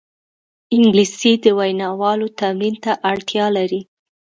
انګلیسي د ویناوالو تمرین ته اړتیا لري